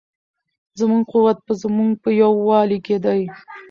زموږ قوت په زموږ په یووالي کې دی.